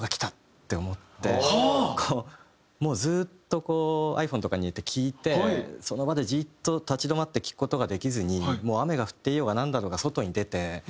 もうずっとこうｉＰｈｏｎｅとかに入れて聴いてその場でじっと立ち止まって聴く事ができずにもう雨が降っていようがなんだろうが外に出て。